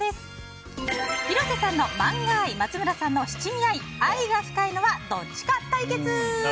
広瀬さんのマンガ愛松村さんの七味愛愛が深いのはどっちか対決！